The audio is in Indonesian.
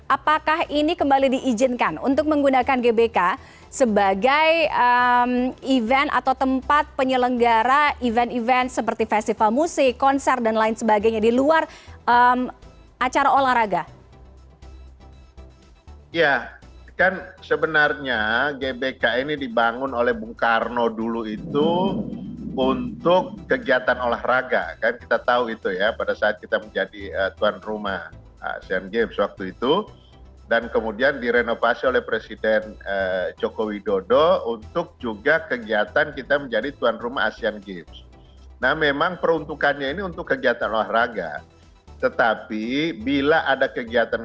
apakah ini kembali diizinkan untuk menggunakan gbk sebagai event atau tempat penyelenggara event event seperti festival musik konser dan lain sebagainya di luar acara olahraga